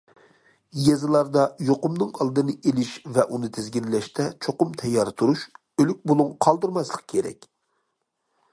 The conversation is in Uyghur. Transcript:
يېزىلاردا يۇقۇمنىڭ ئالدىنى ئېلىش ۋە ئۇنى تىزگىنلەشتە چوقۇم تەييار تۇرۇش، ئۆلۈك بۇلۇڭ قالدۇرماسلىق كېرەك.